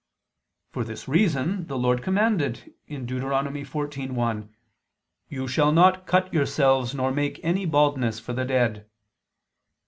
For this reason the Lord commanded (Deut. 14:1): "You shall not cut yourselves nor make any baldness for the dead."